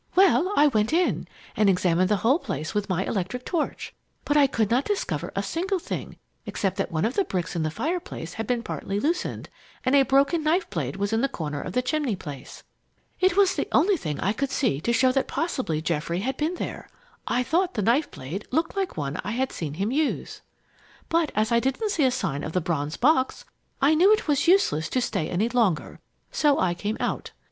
"Well, I went in and examined the whole place with my electric torch, but I could not discover a single thing except that one of the bricks in the fireplace had been partly loosened and a broken knife blade was in the corner of the chimney place. It was the only thing I could see to show that possibly Geoffrey had been there. I thought the knife blade looked like one I had seen him use. "But as I didn't see a sign of the bronze box, I knew it was useless to stay any longer, so I came out.